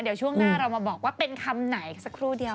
เดี๋ยวช่วงหน้าเรามาบอกว่าเป็นคำไหนสักครู่เดียว